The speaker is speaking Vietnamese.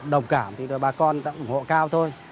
đồng cảm thì bà con ủng hộ cao thôi